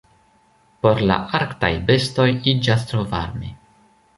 Por la arktaj bestoj iĝas tro varme.